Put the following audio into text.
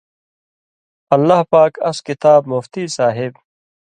اللہ پاک اَس کِتاب مُفتی صاحب